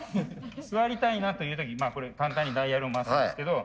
座りたいなという時これダイヤルを回すんですけど。